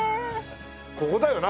ここだよな？